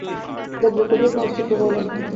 যজ্ঞ করিয়া প্রায়শ্চিত্ত করিলেন।